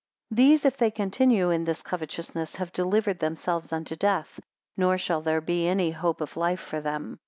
220 These, if they continue in this covetousness, have delivered themselves unto death, nor shall there be any hope of life for them.